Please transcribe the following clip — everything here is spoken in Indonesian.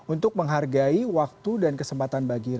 untuk menghargai waktu dan kesempatan bagi ri